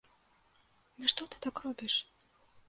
Нашто ты так робіш?